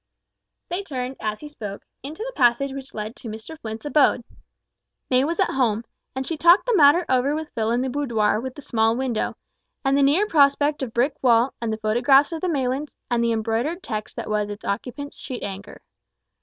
They turned, as he spoke, into the passage which led to Mr Flint's abode. May was at home, and she talked the matter over with Phil in the boudoir with the small window, and the near prospect of brick wall, and the photographs of the Maylands, and the embroidered text that was its occupant's sheet anchor.